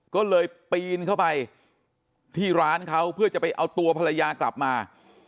ก็เลยปีนเข้าไปที่ร้านเขาเพื่อจะไปเอาตัวภรรยากลับมา